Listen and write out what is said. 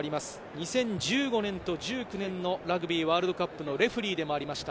２０１５年と１９年のラグビーワールドカップのレフェリーでもありました。